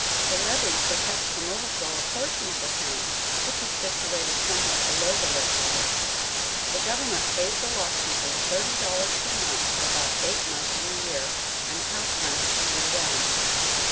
A levee protects from overflow a portion of the town which is situated somewhat below the lake level. The government pays the lock keepers thirty dollars per month for about eight months in the year, and house rent the year round.